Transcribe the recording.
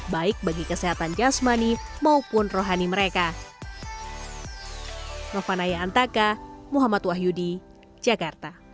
baik bagi kesehatan jasmani maupun rohani mereka